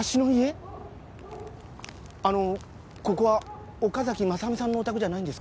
あのここは岡崎真実さんのお宅じゃないんですか？